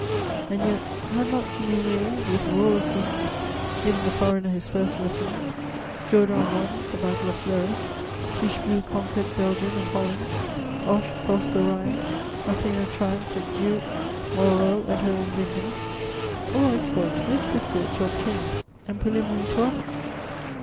And yet, had not Dumouriez, with raw recruits, given the foreigner his first lessons, Jourdan won the Battle of Fleurus, Pichegru conquered Belgium and Holland, Hoche crossed the Rhine, Masséna triumphed at Zurich, Moreau at Hohenlinden: all exploits most difficult to obtain and preliminary to others?